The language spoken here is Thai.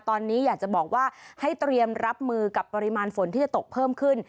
ตอนนี้อยากจะบอกว่าให้เตรียมรับมือกับปริมาณฝนที่จะตกเพิ่มขึ้น